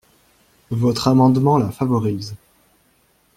Votre amendement la favorise.